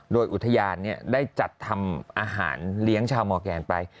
โดยอุทยานได้จัดทำอาหารเลี้ยงชาวมอร์แกนไป